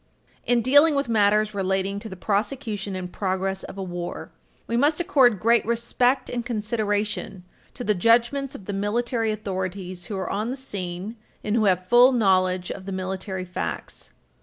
In dealing with matters relating to the prosecution and progress of a war, we must accord great respect and consideration Page 323 U. S. 234 to the judgments of the military authorities who are on the scene and who have full knowledge of the military facts.